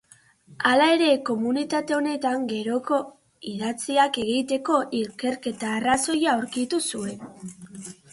Hala ere, komunitate honetan geroko idatziak egiteko ikerketa-arrazoia aurkitu zuen.